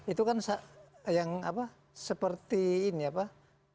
itu kan yang seperti ini ya pak